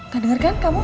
gak denger kan kamu